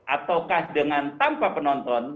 ataukah dengan tanpa penonton